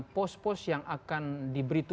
pos pos yang akan diberikan